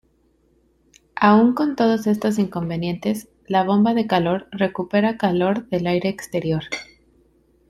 Aún con todos estos inconvenientes, la bomba de calor recupera calor del aire exterior.